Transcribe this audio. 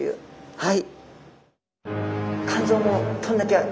はい！